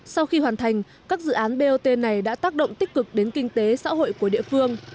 sau khi hoàn thành các dự án bot này đã tác động tích cực đến kinh tế xã hội của địa phương